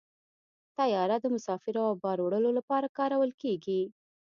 طیاره د مسافرو او بار وړلو لپاره کارول کېږي.